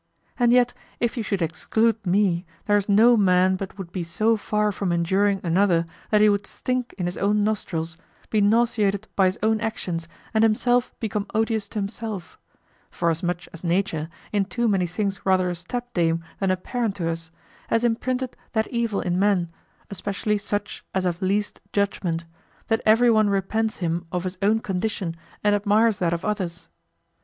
And yet, if you should exclude me, there's no man but would be so far from enduring another that he would stink in his own nostrils, be nauseated with his own actions, and himself become odious to himself; forasmuch as Nature, in too many things rather a stepdame than a parent to us, has imprinted that evil in men, especially such as have least judgment, that everyone repents him of his own condition and admires that of others.